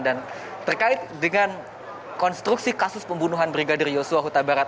dan terkait dengan konstruksi kasus pembunuhan brigadir yosua huta barat